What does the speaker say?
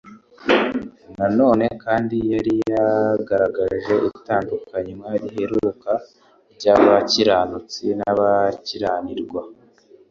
Na none kandi yari yagaragaje itandukanywa riheruka ry'abakiranutsi n'abakiranirwa,